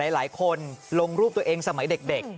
หลายคนลงรูปตัวเองสมัยเด็ก